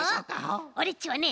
オレっちはね